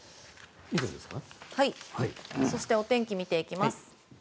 そしてお天気を見ていきます。